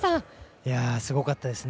すごかったですね。